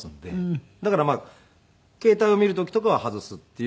だからまあ携帯を見る時とかは外すっていう。